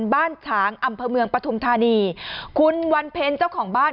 ฉางอำเภอเมืองปฐุมธานีคุณวันเพ็ญเจ้าของบ้าน